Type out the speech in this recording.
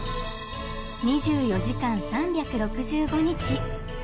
２４時間３６５日。